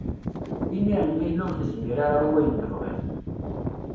Imiren ma yella ur tezmir ara i wayen tebɣiḍ.